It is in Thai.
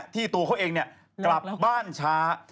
ที่ตัวเองกลับบ้านช้า